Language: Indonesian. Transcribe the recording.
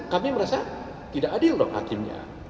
kami merasa tidak adil loh hakimnya